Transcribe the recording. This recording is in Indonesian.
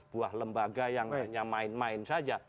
sebuah lembaga yang hanya main main saja